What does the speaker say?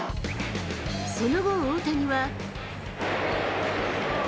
その後、大谷は。